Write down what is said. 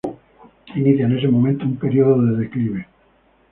Inicia en ese momento, un período de declive.